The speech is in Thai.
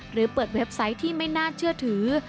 หรือเปิดเว็บไซต์ที่ไม่น่าเชื่อถือ